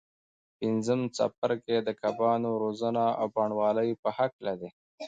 پنځم څپرکی د کبانو روزنه او بڼوالۍ په هکله دی.